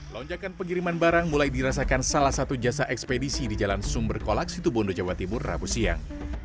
lonjakan pengiriman barang mulai dirasakan salah satu jasa ekspedisi di jalan sumber kolak situbondo jawa timur rabu siang